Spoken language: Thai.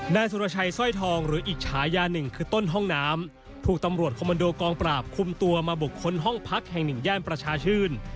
นายสุรชัยสร้อยทองหรืออิจฉายาหนึ่งคือต้นห้องน้ำถูกตำรวจคอมมันโดกองปราบคุมตัวมาบุคคลห้องพักแห่งหนึ่งย่านประชาชื่น